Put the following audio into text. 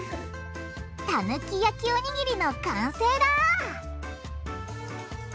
たぬき焼きおにぎりの完成だ！